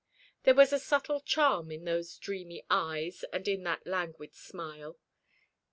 There was a subtle charm in those dreamy eyes and in that languid smile.